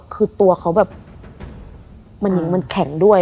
คือตัวเขาแบบมันแข็งด้วย